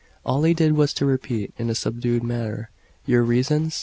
All he did was to repeat, in a subdued manner "Your reasons?"